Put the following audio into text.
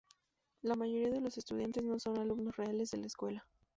La mayoría de los estudiantes no son alumnos reales de la escuela.